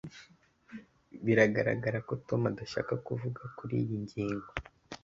biragaragara ko tom adashaka kuvuga kuriyi ngingo